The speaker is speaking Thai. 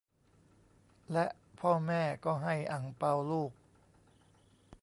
และพ่อแม่ก็ให้อั่งเปาลูก